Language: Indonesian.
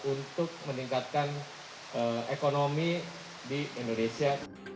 untuk meningkatkan ekonomi di indonesia